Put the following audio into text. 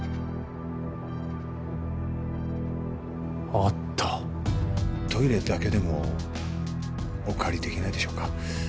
あったトイレだけでもお借りできないでしょうか？